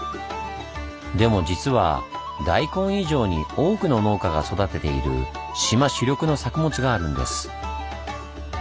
でも実は大根以上に多くの農家が育てている島主力の作物があるんです。